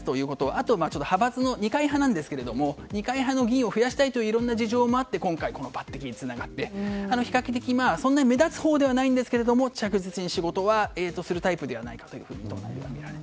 あと、二階派なんですけれども二階派の議員を増やしたいといういろんな事情もあって今回、この抜擢につながって比較的、そんなに目立つほうではないんですが着実に仕事はするタイプではないかと。